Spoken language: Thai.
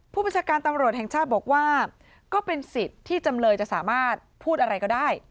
พลตำรวจเอกจาก